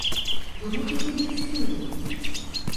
Йому ти рідний син!